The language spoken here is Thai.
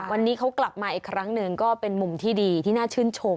วันนี้เขากลับมาอีกครั้งหนึ่งก็เป็นมุมที่ดีที่น่าชื่นชม